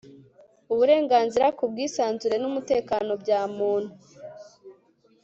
Uburenganzira ku bwisanzure n umutekano bya Muntu